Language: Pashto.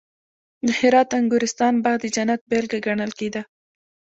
د هرات د انګورستان باغ د جنت بېلګه ګڼل کېده